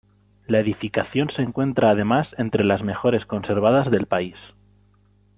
La edificación se encuentra además entre las mejores conservadas del país.